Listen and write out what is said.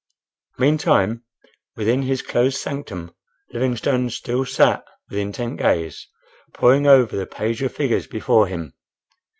Meantime, within his closed sanctum Livingstone still sat with intent gaze, poring over the page of figures before him.